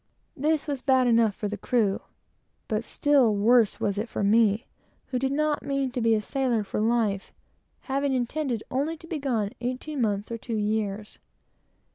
This was bad enough for them; but still worse was it for me, who did not mean to be a sailor for life; having intended only to be gone eighteen months or two years.